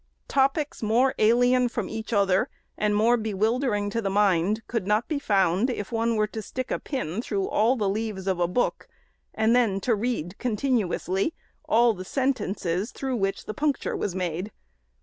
Topics, more alien from each other, and more bewildering to the mind, could not be found, if one were to stick a pin through all the leaves of a book, and then to read continuously all the sentences through which the puncture was made.